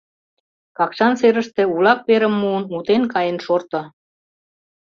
Какшан серыште улак верым муын, утен каен шорто.